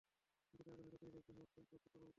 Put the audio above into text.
কিন্তু তার কাছে যারীদের দেহ অত্যন্ত পূত-পবিত্র মনে হয়।